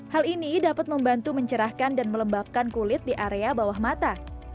hal ini dapat membantu mencerahkan dan melembabkan kulit di area bawah mata